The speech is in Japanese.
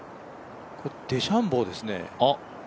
デシャンボーですね。